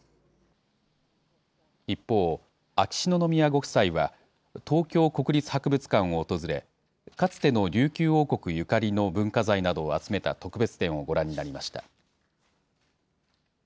一方、秋篠宮ご夫妻は、東京国立博物館を訪れ、かつての琉球王国ゆかりの文化財などを集めた特別展をご覧になりました。